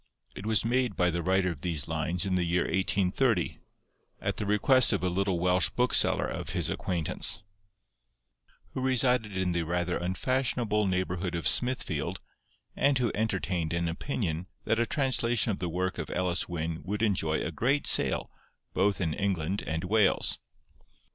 It was made by the writer of these lines in the year 1830, at the request of a little Welsh bookseller of his acquaintance, who resided in the rather unfashionable neighbourhood of Smithfield, and who entertained an opinion that a translation of the work of Elis Wyn would enjoy a great sale, both in England and Wales.